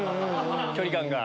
距離感が。